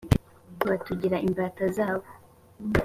gl batugira imbata zabo